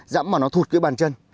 rắn mà nó thụt cái bàn chân